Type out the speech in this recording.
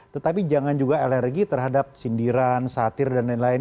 tetapi jangan juga alergi terhadap sindiran satir dan lain lain